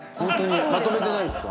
まとめてないんですか？